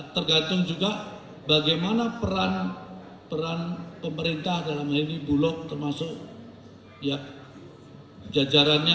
tergantung juga bagaimana peran pemerintah dalam hal ini bulog termasuk jajarannya